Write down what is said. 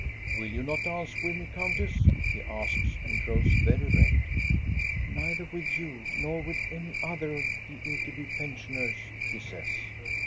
"Will you not dance with me, countess?" he asks, and grows very red. Neither with you nor with any other of the Ekeby pensioners," she says.